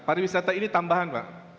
pariwisata ini tambahan pak